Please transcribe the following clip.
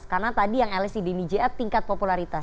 karena tadi yang lsd di nijea tingkat popularitas